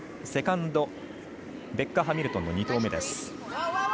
セカンド、ベッカ・ハミルトンの２投目。